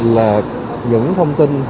là những thông tin